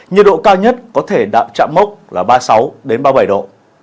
nhiệt độ cao nhất có thể đạt trạm mốc là ba mươi sáu ba mươi bảy độ